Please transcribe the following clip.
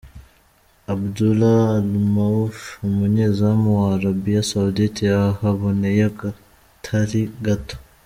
Abdullah Almuaiouf umunyezamu wa Arabia Saudite yahaboneye akatari gato.